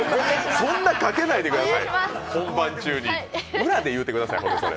そんなかけないでくださいよ、本番中に、裏で言ってください。